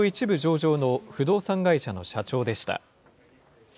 １部上場の不動産会社の社長でした。